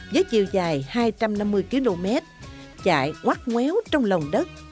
với chiều dài hai trăm năm mươi km chạy quắc nguéo trong lồng đất